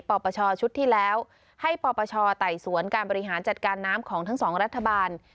ปปชชุดที่แล้วให้ปปชไต่สวนการบริหารจัดการน้ำของทั้งสองรัฐบาล